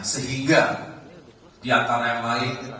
sehingga di antara yang lain